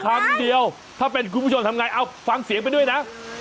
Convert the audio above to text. ครั้งเดียวถ้าเป็นคุณผู้ชมทำไงเอาฟังเสียงไปด้วยนะ